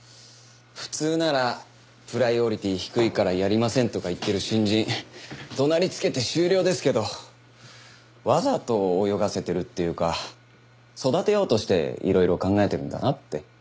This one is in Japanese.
普通なら「プライオリティ低いからやりません」とか言ってる新人怒鳴りつけて終了ですけどわざと泳がせてるっていうか育てようとしていろいろ考えてるんだなって。